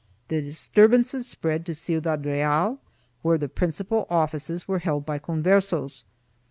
2 The dis turbances spread to Ciudad Real, where the principal offices were held by Conversos.